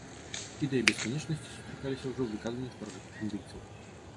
Ідэі бесканечнасці сустракаліся ўжо ў выказваннях старажытных індыйцаў.